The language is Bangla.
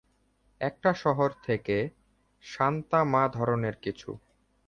একটা শহর থেকে — সান্তা মা-ধরণের কিছু।